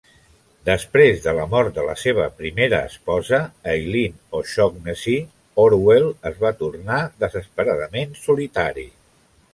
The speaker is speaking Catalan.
Després de la mort de la seva primera esposa, Eileen O'Shaughnessy, Orwell es va tornar desesperadament solitari.